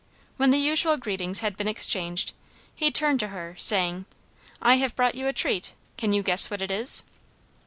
When the usual greetings had been exchanged, he turned to her, saying, "I have brought you a treat. Can you guess what it is?"